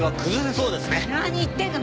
何言ってるの！